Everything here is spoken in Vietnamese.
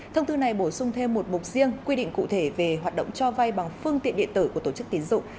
thông tư này bổ sung thêm một mục riêng quy định cụ thể về hoạt động cho vay bằng phương tiện điện tử của tổ chức tiến dụng